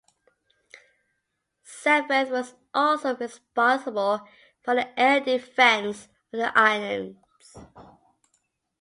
Seventh was also responsible for the air defense of the islands.